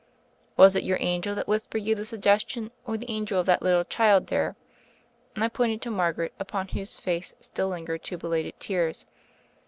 "Was it your angel that whispered you the suggestion, or the angel of that little child there?" and I pointed to Margaret, upon whose face still lingered two belated tears.